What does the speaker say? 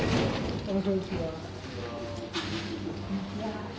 こんにちは。